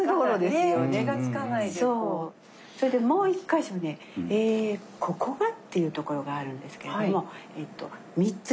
それでもう一か所ね「えここが？」っていうところがあるんですけれども。